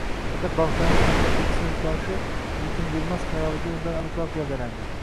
Faqat boshlang'ich maktabdagi snnfdoshi yetim Yilmaz xayolida undan aniqroq gavdalandi.